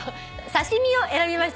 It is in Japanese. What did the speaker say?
「刺身」を選びました